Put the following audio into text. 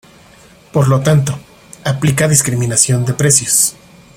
Por lo tanto, aplica discriminación de precios.